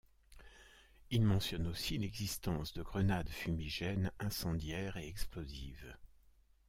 Il mentionne aussi l'existence de grenades fumigènes, incendiaires et explosives.